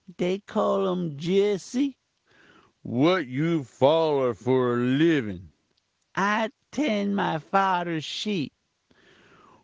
"'They call um Jesse.' "'What you follur for livin?' "'I 'tend my farder's sheep.'